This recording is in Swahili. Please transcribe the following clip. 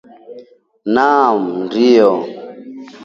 Naam, ndio